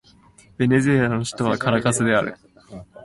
ベネズエラの首都はカラカスである